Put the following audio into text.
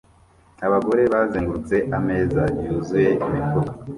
Abagore bazengurutse ameza yuzuye imifuka